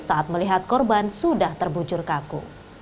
saat melihat korban sudah terbujur kaku